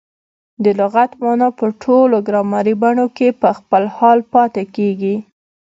د لغت مانا په ټولو ګرامري بڼو کښي په خپل حال پاته کیږي.